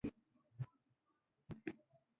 ښه مزل طی کولو وروسته، یوې بلې اورګاډي پټلۍ.